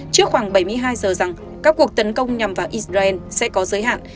trước khoảng bảy mươi hai giờ rằng các cuộc tấn công nhằm vào israel sẽ có giới hạn